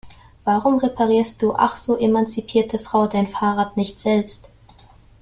Warum reparierst du ach so emanzipierte Frau dein Fahrrad nicht selbst?